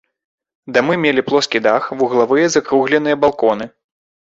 Дамы мелі плоскі дах, вуглавыя закругленыя балконы.